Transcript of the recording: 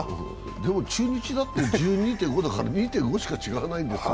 でも、中日だって１２．５だから２．５しか違わないですよ。